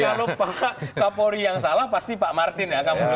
kalau bapak kapolri yang salah pasti pak martin yang akan mundur